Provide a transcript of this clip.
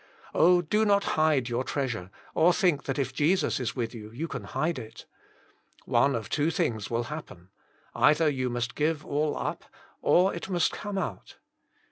Oh, do not hide your treasure, or think that if «lesus is with you, you can hide it. One of two things will happen — either you must give all up, or it must come out.